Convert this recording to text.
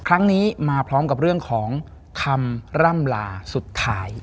ครั้งนี้มาพร้อมกับเรื่องของคำร่ำลาสุดท้าย